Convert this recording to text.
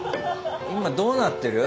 今どうなってる？